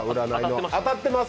当たってます？